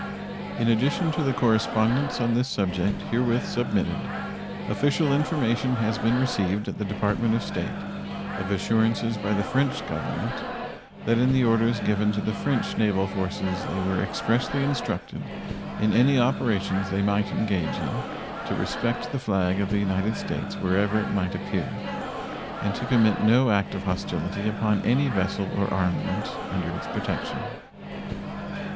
In addition to the correspondence on this subject herewith submitted, official information has been received at the Department of State of assurances by the French Government that in the orders given to the French naval forces they were expressly instructed, in any operations they might engage in, to respect the flag of the United States wherever it might appear, and to commit no act of hostility upon any vessel or armament under its protection.